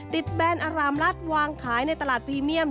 แบรนด์อารามรัฐวางขายในตลาดพรีเมียม